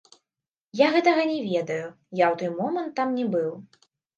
Я гэтага не ведаю, я ў той момант там не быў.